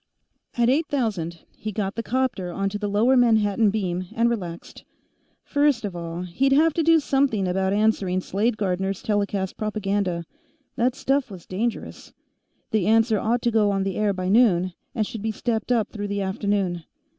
_"At eight thousand, he got the 'copter onto the lower Manhattan beam and relaxed. First of all, he'd have to do something about answering Slade Gardner's telecast propaganda. That stuff was dangerous. The answer ought to go on the air by noon, and should be stepped up through the afternoon.